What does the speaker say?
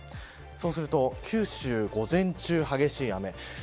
そうすると九州午前中は激しい雨。